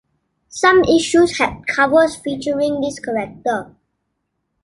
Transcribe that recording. Some issues had covers featuring this character.